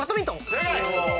正解！